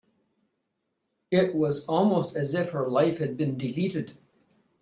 It was almost as if her life had been deleted.